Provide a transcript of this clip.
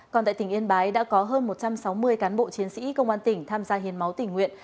còn tại tỉnh yên bái đã có hơn một trăm sáu mươi cán bộ chiến sĩ công an tỉnh tham gia hiến máu tỉnh nguyện